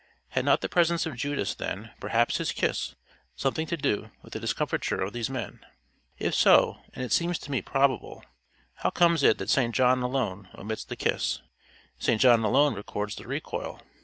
Had not the presence of Judas, then perhaps his kiss something to do with the discomfiture of these men? If so and it seems to me probable how comes it that St John alone omits the kiss St John alone records the recoil?